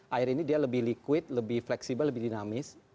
air ini dia lebih liquid lebih fleksibel lebih dinamis